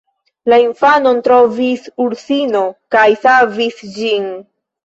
La infanon trovis ursino kaj savis ĝin.